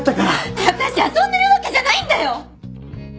ねえあたし遊んでるわけじゃないんだよ！？